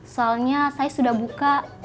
soalnya saya sudah buka